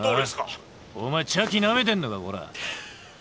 あ？お前茶器なめてんのかこら！